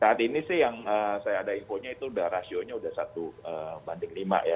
saat ini sih yang saya ada infonya itu udah rasionya sudah satu banding lima ya